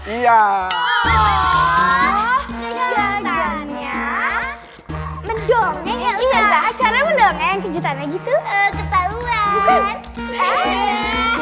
iya ustazah acara mendongeng kejutananya gitu